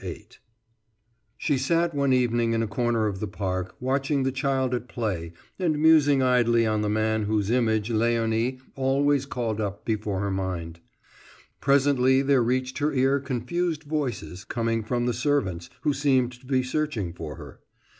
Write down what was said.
VIII She sat one evening in a corner of the park, watching the child at play and musing idly on the man whose image Léonie always called up before her mind. Presently there reached her ear confused voices, coming from the servants, who seemed to be searching for her.